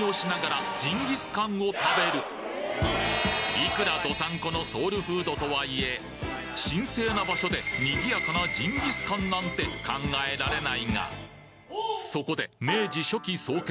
いくら道産子のソウルフードとはいえ神聖な場所で賑やかなジンギスカンなんて考えられないがそこで明治初期創建